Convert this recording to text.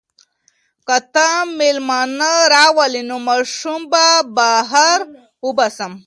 که ته مېلمانه راولې نو ماشومان به بهر وباسم.